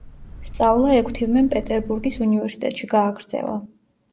სწავლა ექვთიმემ პეტერბურგის უნივერსიტეტში გააგრძელა.